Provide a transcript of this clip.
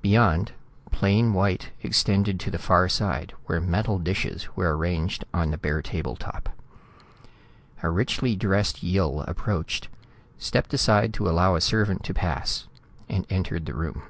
Beyond, plain white extended to the far side, where metal dishes were arranged on the bare table top. A richly dressed Yill approached, stepped aside to allow a servant to pass and entered the room.